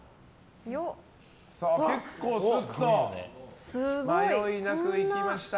結構スッと迷いなくいきました。